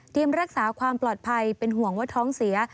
รักษาความปลอดภัยเป็นห่วงว่าท้องเสีย